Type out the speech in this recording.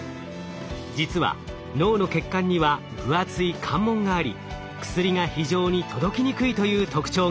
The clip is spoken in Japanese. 実は脳の血管には分厚い関門があり薬が非常に届きにくいという特徴が。